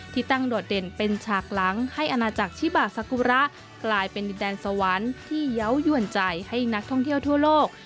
ที่ตั้งโดดเด่นเป็นฉากหลังให้อาณาจักรชิบาซากุระกลายเป็นดินแดนสวรรค์ที่เยาว์ยวนใจให้นักท่องเที่ยวทั่วโลก